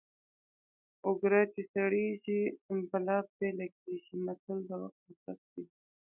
اوګره چې سړېږي بلا پرې لګېږي متل د وخت ارزښت ښيي